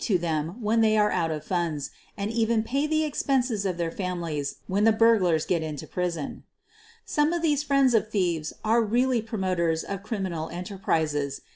QUEEN OF THE BURGLAKS 187 to them when they are out of funds, and even pay the expenses of their families when the burglars get into prison. Some of these friends of thieves are really pro moters of criminal enterprises.